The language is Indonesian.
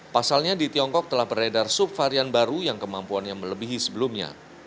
pasalnya di tiongkok telah beredar subvarian baru yang kemampuannya melebihi sebelumnya